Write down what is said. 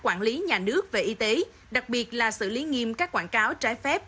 quản lý nhà nước về y tế đặc biệt là xử lý nghiêm các quảng cáo trái phép